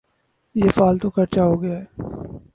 یہ فالتو خرچہ ہو گیا۔